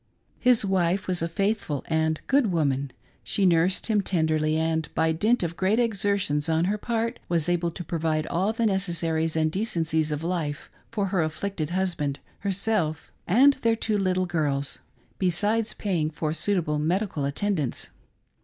His wife was a faithful and good woman. She nursed him tenderly, and by dint of great exertions on her part, was able to provide all the necessaries and decencies of life for her afflicted husband, herself, and their two little girls, besides paying for suitable medical attendance.